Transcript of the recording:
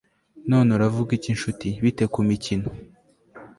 none uravuga iki nshuti, bite kumikino